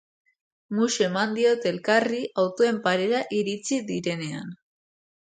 Musu eman diote elkarri autoen parera iritsi direnean.